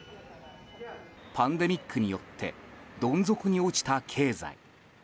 パンデミックによってどん底に落ちた経済。